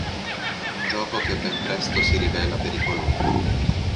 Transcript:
Un gioco che ben presto si rivela pericoloso.